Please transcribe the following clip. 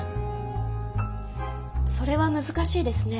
それは難しいですね。